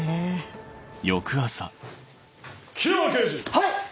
はい！